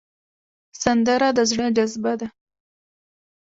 سندره د زړه جذبه ده